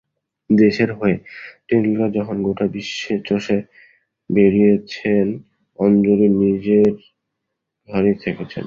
দেশের হয়ে টেন্ডুলকার যখন গোটা বিশ্বে চষে বেড়িয়েছেন, অঞ্জলি নিজের ঘরেই থেকেছেন।